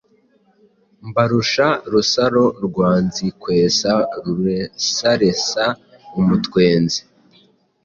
Mbarusha Rusaro rwa Nzikwesa ruresaresa umutwenzi